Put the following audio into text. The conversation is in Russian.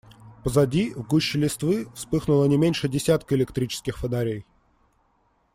Позади, в гуще листвы, вспыхнуло не меньше десятка электрических фонарей.